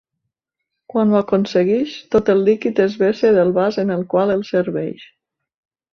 Quan ho aconsegueix, tot el líquid es vessa del vas en el qual el serveix.